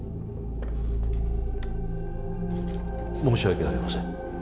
申し訳ありません。